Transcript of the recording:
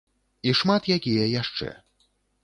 І шмат якія яшчэ.